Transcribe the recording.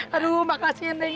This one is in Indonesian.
aduh makasih ya nyanya